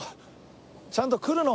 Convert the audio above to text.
ちゃんと来るの？